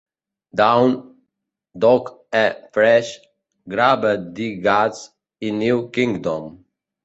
Dawn, Doug E. Fresh, Gravediggaz i New Kingdom.